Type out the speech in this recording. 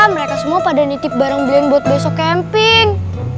mereka semua pada nitip barang blank buat besok camping